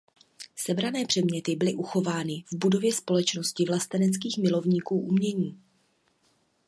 Sebrané předměty byly uchovávány v budově Společnosti vlasteneckých milovníků umění.